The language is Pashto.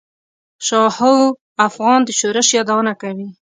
شاهو افغان د شورش یادونه کوي.